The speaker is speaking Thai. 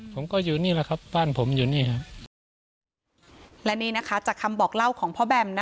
ผมก็อยู่นี่แหละครับบ้านผมอยู่นี่ครับ